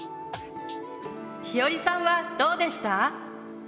ひよりさんはどうでした？